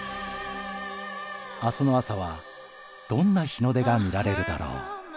明日の朝はどんな日の出が見られるだろう。